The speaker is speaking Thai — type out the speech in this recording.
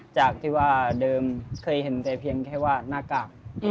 จากที่ว่าเดิมเคยเห็นแต่เพียงแค่ว่าหน้ากาก